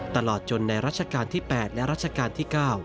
ตลอดจนในรัชกาลที่๘และรัชกาลที่๙